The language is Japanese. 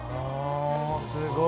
すごい。